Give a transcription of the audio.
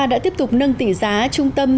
đã tiếp tục nâng tỷ giá trung tâm